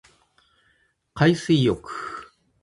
海水浴